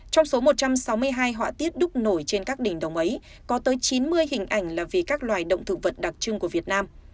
trong số một trăm sáu mươi hai họa tiết đúc nổi trên các đỉnh đồng ấy có tới chín mươi hình ảnh là vì các loài động thực vật đặc trưng của việt nam